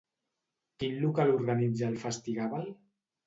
Quin local organitza el Festigàbal?